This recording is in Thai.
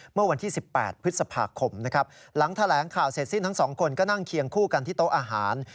เมื่อวันที่๑๘พฤษภาคมนะครับหลังแถลงข่าวเสร็จสิ้นทั้งสองคนก็นั่งเคียงคู่กันที่โต๊ะอาหาร